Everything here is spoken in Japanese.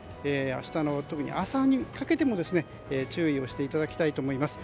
明日の、特に朝にかけても注意していただきたいと思います。